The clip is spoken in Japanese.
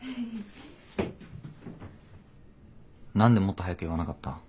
何でもっと早く言わなかった？